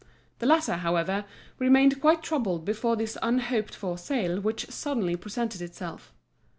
The latter, however, remained quite troubled before this unhoped for sale which suddenly presented itself.